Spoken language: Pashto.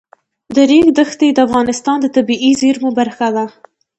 د ریګ دښتې د افغانستان د طبیعي زیرمو برخه ده.